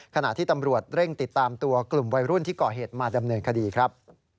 ขณะที่ตำรวจเร่งติดตามตัวกลุ่มวัยรุ่นที่ก่อเหตุมาดำเนินคดีครับ